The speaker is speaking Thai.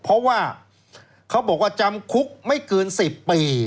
เพราะว่าเขาบอกว่าจำคุกไม่เกิน๑๐ปี